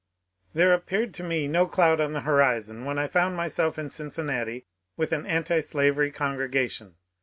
There appeared to me no cloud on the horizon when I found myself in Cincinnati with an antislavery congregation.